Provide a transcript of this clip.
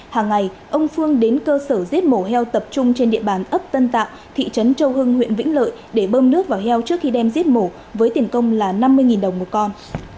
hàng ngày ông phương đến cơ sở giết mổ heo tập trung trên địa bàn ấp tân tạo thị trấn châu hưng huyện vĩnh lợi để bơm nước vào heo trước khi đem giết mổ với tiền công là năm mươi đồng một con